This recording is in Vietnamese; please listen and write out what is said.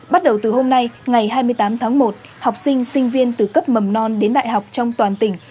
bắt đầu từ hôm nay ngày hai mươi tám tháng một học sinh sinh viên từ cấp mầm non đến đại học trong toàn tỉnh